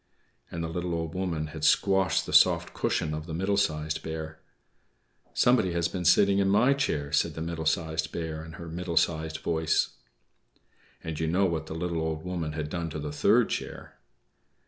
And the little Old Woman had squashed the soft cushion of the Middle Sized Bear. "=Somebody has been sitting in my chair!=" said the Middle Sized Bear, in her middle sized voice. And you know what the little Old Woman had done to the third chair.